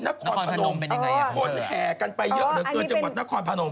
นครพนมคนแห่กันไปเยอะเหลือเกินจังหวัดนครพนม